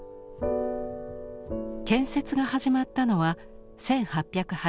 建設が始まったのは１８８２年。